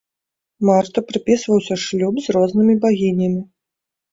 Марту прыпісваўся шлюб з рознымі багінямі.